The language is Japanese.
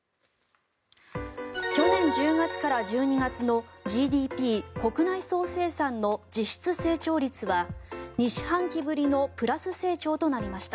去年１０月から１２月のＧＤＰ・国内総生産の実質成長率は２四半期ぶりのプラス成長となりました。